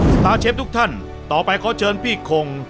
สตาร์เชฟทุกท่านต่อไปขอเชิญพี่คง